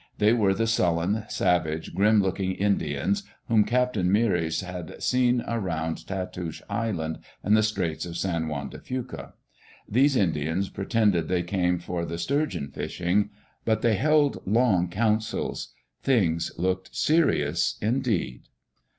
They were the sullen, savage, grim looking Indians whom Captain Meares had seen around Tatoosh Island and the Straits of San Juan de Fuca. These Indians pretended they came for the stur geon fishing; but they held long councils. Things looked serious indeed.